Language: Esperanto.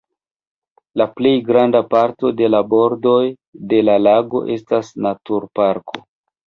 La plejgranda parto de la bordoj de la lago estas naturparko.